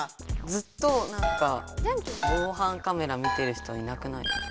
ずっとなんか防犯カメラ見てる人いなくない？